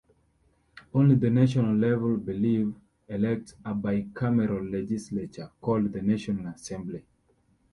On the national level Belize elects a bicameral legislature called the National Assembly.